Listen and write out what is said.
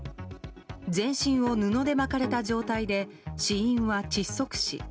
全身を布で巻かれた状態で死因は窒息死。